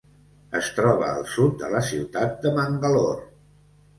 Es troba al sud de la ciutat de Mangalore.